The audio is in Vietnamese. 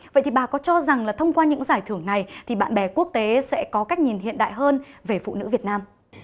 vậy thì bà có cho rằng là thông qua những giải thưởng này thì bạn bè quốc tế sẽ có cách nhìn hiện đại hơn về phụ nữ việt nam